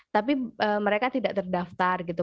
tapi mereka tidak terdaftar gitu